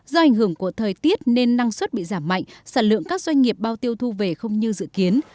do ảnh hưởng của thời tiết nên năng suất bị giảm mạnh sản lượng các doanh nghiệp bao tiêu thu về không như dự kiến